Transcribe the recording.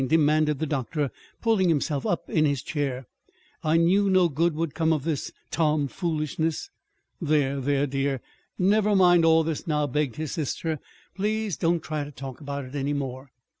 demanded the doctor, pulling himself up in his chair. "I knew no good would come of this tom foolishness!" "There, there, dear, never mind all this now," begged his sister. "Please don't try to talk about it any more."